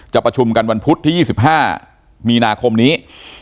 ประชุมกันวันพุธที่๒๕มีนาคมนี้